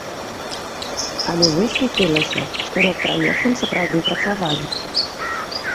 Але высветлілася, што над праектам сапраўды працавалі.